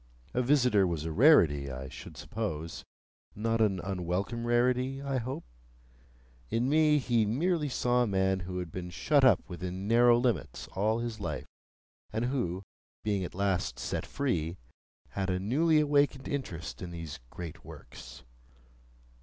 A visitor was a rarity, I should suppose; not an unwelcome rarity, I hoped? In me, he merely saw a man who had been shut up within narrow limits all his life, and who, being at last set free, had a newly awakened interest in these great works.